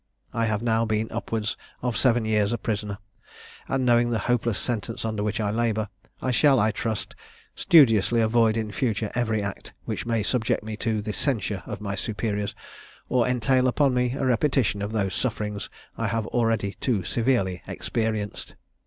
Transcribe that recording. I have now been upwards of seven years a prisoner, and, knowing the hopeless sentence under which I labour, I shall, I trust, studiously avoid in future every act which may subject me to the censure of my superiors, or entail upon me a repetition of those sufferings I have already too severely experienced.